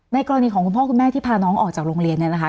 กรณีของคุณพ่อคุณแม่ที่พาน้องออกจากโรงเรียนเนี่ยนะคะ